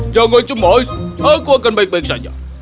jangan cemas aku akan baik baik saja